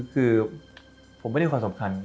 คือผมไม่ได้ความสำคัญ